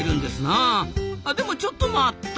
あでもちょっと待った！